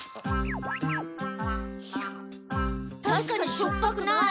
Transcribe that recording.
たしかにしょっぱくない。